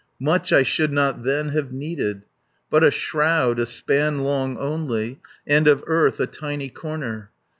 Much I should not then have needed, But a shroud a span long only, And of earth a tiny corner.